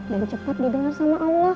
dan cepat didengar sama allah